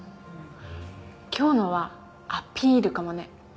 今日のはアピールかもね。